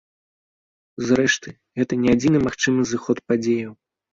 Зрэшты, гэта не адзіны магчымы зыход падзеяў.